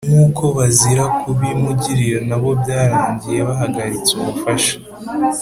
nk’uko bazira kubimugirira na bo byarangiye bahagaritse ubufasha